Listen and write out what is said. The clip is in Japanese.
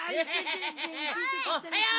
おはよう！